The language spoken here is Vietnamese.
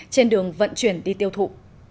trên đường vận chuyển đi tiêu thụ